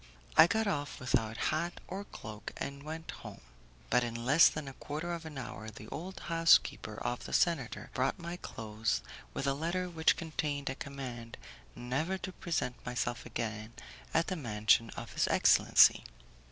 I got off without hat or cloak, and went home; but in less than a quarter of an hour the old housekeeper of the senator brought my clothes with a letter which contained a command never to present myself again at the mansion of his excellency.